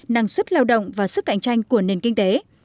năng suất lao động và sức cạnh tranh của nền kinh tế